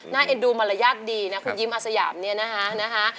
น่าเอ็นดูมระยักษ์ดีนะคุณยิ้มอสยาบนี้นะคะ